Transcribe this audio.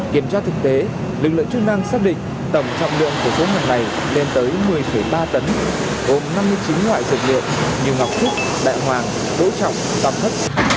kiểm tra thực tế lực lượng chức năng xác định tầm trọng lượng của số hàng này lên tới một mươi ba tấn ôm năm mươi chín loại dược liệu như ngọc khúc đại hoàng đỗ trọng tạm thất